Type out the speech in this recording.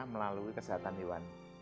melalui kesehatan iwan